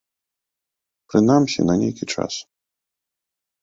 Прынамсі, на нейкі час.